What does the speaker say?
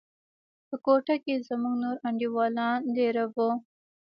په كوټه کښې زموږ نور انډيوالان دېره وو.